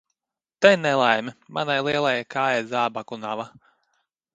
Te nelaime – manai lielai kājai zābaku nava.